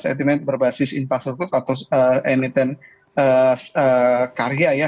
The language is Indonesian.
sentimen berbasis impasse recrute atau emiten karya ya